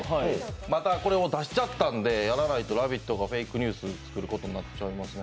またこれを出しちゃったんんで、やらないと「ラヴィット！」がフェイクニュース作ることになっちゃいますね。